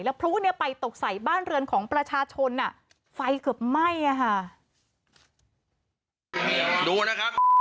แล้วพรุ่งเนี้ยไปตกใส่บ้านเรือนของประชาชนอ่ะไฟเกือบไหม้อ่ะค่ะ